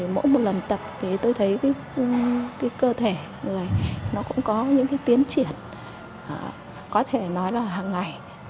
mỗi lần tập tôi thấy cơ thể người cũng có những tiến triển có thể nói là hàng ngày